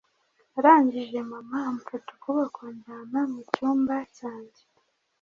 Arangije, mama amfata ukuboko anjyana mu cyumba cyanjye.